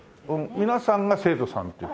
皆さんが生徒さんっていう？